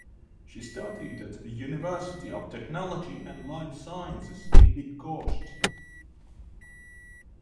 She studied at the University of Technology and Life Sciences in Bydgoszcz.